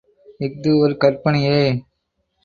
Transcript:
இஃது ஒரு கற்பனையே.